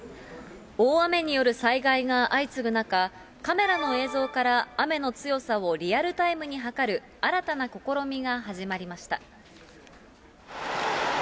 大雨による災害が相次ぐ中、カメラの映像から雨の強さをリアルタイムに測る新たな試みが始ま